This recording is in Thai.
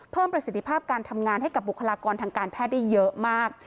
ประสิทธิภาพการทำงานให้กับบุคลากรทางการแพทย์ได้เยอะมาก